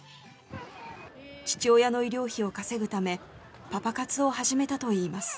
父親の医療費を稼ぐためパパ活を始めたといいます。